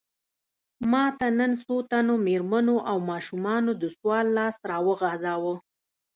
ماته نن څو تنو مېرمنو او ماشومانو د سوال لاس راوغځاوه.